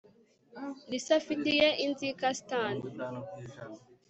lisa afitiye inzika stan